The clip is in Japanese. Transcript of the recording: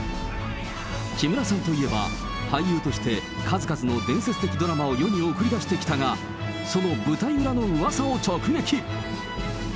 木村さんといえば、俳優として、数々の伝説的ドラマを世に送り出してきたが、その舞台裏のうわさを直撃。